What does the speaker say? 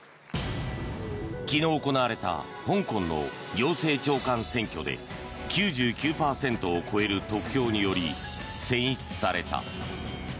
昨日、行われた香港の行政長官選挙で９９％を超える得票により選出された。